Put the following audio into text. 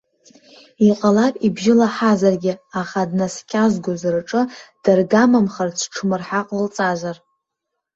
Иҟалап ибжьы лаҳазаргьы, аха днаскьазгоз рҿы даргамамхарц ҽмырҳа ҟалҵазар?!